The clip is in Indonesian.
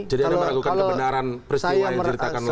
jadi anda meragukan kebenaran peristiwa yang diceritakan lanyala